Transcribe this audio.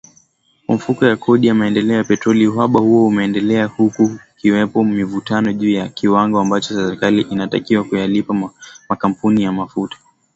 Kwa Mfuko wa Kodi ya Maendeleo ya Petroli, uhaba huo umeendelea huku kukiwepo mivutano juu ya kiwango ambacho serikali inatakiwa kuyalipa makampuni ya mafuta